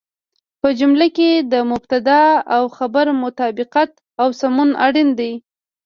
په جمله کې د مبتدا او خبر مطابقت او سمون اړين دی.